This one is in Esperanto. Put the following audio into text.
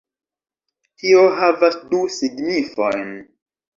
Tio havas du signifojn